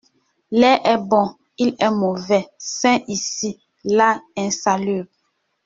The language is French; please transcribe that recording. L'air est bon, il est mauvais ; sain ici, là insalubre.